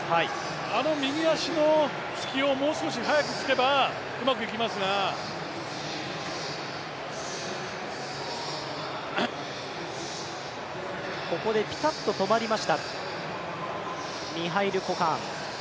あの右足の突きをもう少し早く突けばうまくいきますが、ここでぴたっと止まりました、ミハイロ・コカーン。